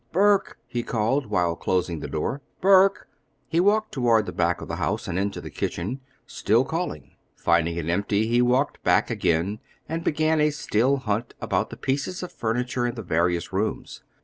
"Burke!" he called while closing the door, "Burke!" He walked toward the back of the house and into the kitchen, still calling. Finding it empty, he walked back again and began a still hunt about the pieces of furniture in the various rooms.